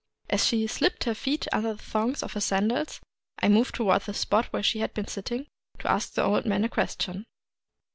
As she slipped her feet under the thongs of her sandals, I moved toward the spot where she had been sitting, to ask the old man a question.